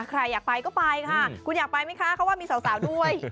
ใครอยากไปก็ไปค่ะคุณอยากไปไหมคะเขาว่ามีสาวด้วย